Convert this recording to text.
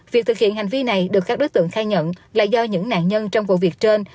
việc thực hiện hành vi này được các đối tượng khai nhận là do những nạn nhân trong vụ việc trên